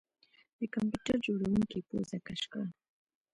د کمپیوټر جوړونکي پوزه کش کړه